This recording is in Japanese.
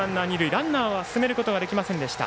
ランナーを進めることはできませんでした。